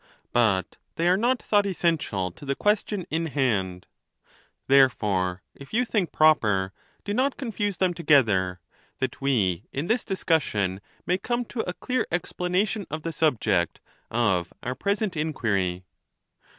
But they are not thought essen tial to the question in hand; therefore, if you think prop er, do not confuse them together, that we in this discus sion may come to a clear explanation of the subject of our present inquiry.